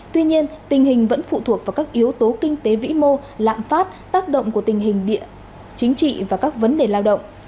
tuy nhiên tình hình vẫn phụ thuộc vào các yếu tố kinh tế vĩ mô lạm phát tác động của tình hình địa chính trị và các vấn đề lao động